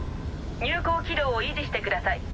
入港軌道を維持してください。